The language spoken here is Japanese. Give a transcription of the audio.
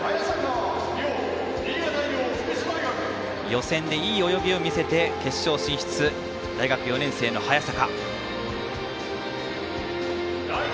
予選でいい泳ぎを見せて決勝進出大学４年生の早坂。